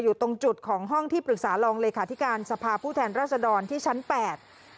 อยู่ตรงจุดของห้องที่ปรึกษารองเลขาธิการสภาพผู้แทนรัศดรที่ชั้นแปด